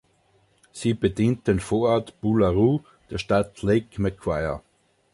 Sie bedient den Vorort Boolaroo der Stadt Lake Macquarie.